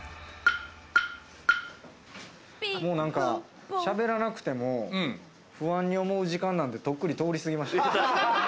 もうなんか、しゃべらなくても不安に思う時間なんてとっくに通り過ぎました。